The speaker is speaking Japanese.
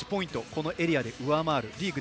このエリアで上回るリーグ